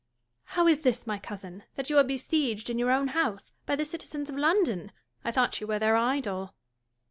] Joanna. How is this, my cousin, that you are besieged in your own house, by the citizens of London 1 I thought you were their idol.